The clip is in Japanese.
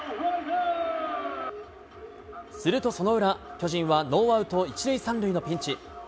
するとその裏、巨人はノーアウト１塁３塁のピンチ。